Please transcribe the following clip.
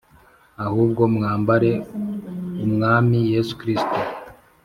Ahubwo mwambare Umwami Yesu Kristo